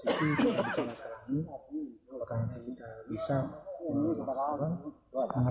kita akan menelanjakan kejelasan dari posisi yang kita mencoba sekarang ini